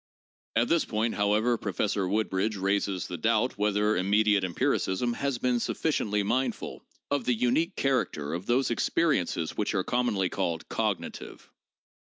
At this point, however, Professor Woodbridge raises the doubt whether immediate empiricism has been sufficiently mindful of the unique character of those experiences which are commonly called cognitive.